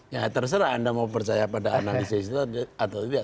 ya terserah anda mau percaya pada analisis itu atau tidak